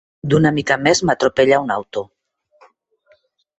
D'una mica més m'atropella un auto.